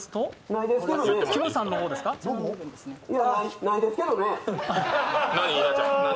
ないですけどね。